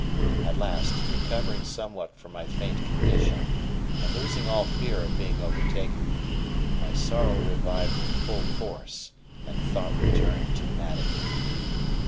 At last, recovering somewhat from my faint condition, and losing all fear of being overtaken, my sorrow revived in full force, and thought returned to madden me.